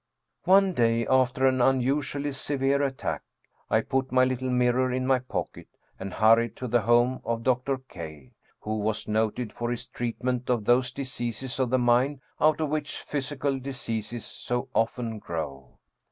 One day, after an unusually severe attack, I put my little mirror in my pocket and hurried to the home of Dr. K., who was noted for his treatment of those diseases of the mind out of which physical diseases so often grow.